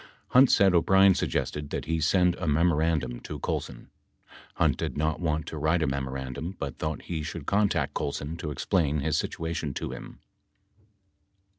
14 Hunt said O'Brien suggested that he send a memorandum to Col son. Hunt did not want, to write a memorandum but thought he should contact Colson to explain his situation to him.